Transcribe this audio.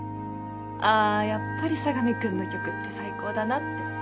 あーやっぱり佐神君の曲って最高だなって